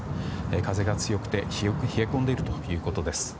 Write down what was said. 風が強くて、よく冷え込んでいるということです。